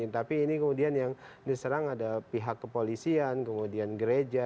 tapi ini kemudian yang diserang ada pihak kepolisian kemudian gereja